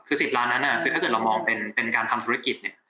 คือ๑๐ล้านนั้นคือถ้าเกิดเรามองเป็นการทำธุรกิจเนี่ย